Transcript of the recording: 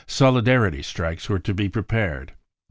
Solidarity strikes were to be prepared.